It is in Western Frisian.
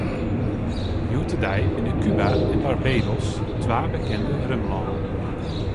Hjoed-de-dei binne Kuba en Barbados twa bekende rumlannen.